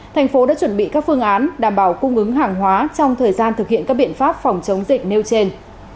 thành phố đã chuẩn bị các phương án đảm bảo cung ứng hàng hóa trong thời gian thực hiện các biện pháp phòng chống dịch nêu trên